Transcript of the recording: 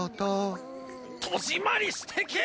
戸締まりしてけ！